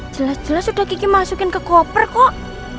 jelas jelas sudah kiki masukin ke koper kok